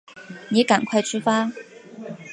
你赶快出发